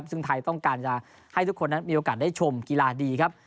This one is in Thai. ซึ่งไทยต้องการจะให้ทุกคนนั้นมีโอกาสได้ชมกีฬาดีครับ